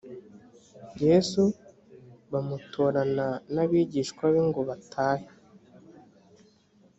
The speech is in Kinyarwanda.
yesu bamutorana n abigishwa be ngo batahe